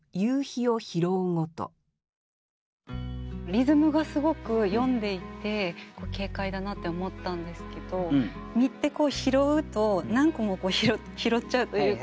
リズムがすごく読んでいて軽快だなって思ったんですけど実って拾うと何個も拾っちゃうというか。